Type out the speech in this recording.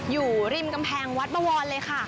อยู่ริมกำแพงวัดบวรเลยค่ะ